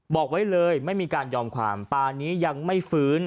บอกไว้เลยไม่มีการยอมความป่านี้ยังไม่ฟื้น